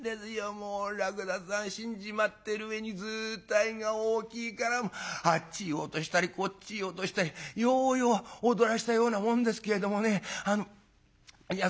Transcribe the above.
もうらくださん死んじまってる上に図体が大きいからあっちへ落としたりこっちへ落としたりようよう踊らせたようなもんですけれどもねいや